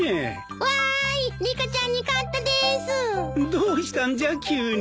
どうしたんじゃ急に。